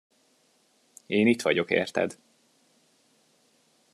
Én itt vagyok érted.